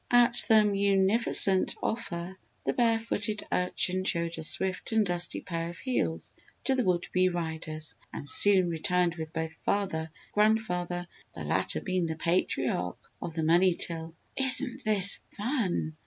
At the munificent offer the bare footed urchin showed a swift and dusty pair of heels to the would be riders, and soon returned with both father and grandfather the latter being the patriarch of the money till. "Isn't this fun!